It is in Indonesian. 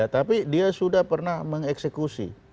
tapi dia sudah pernah mengeksekusi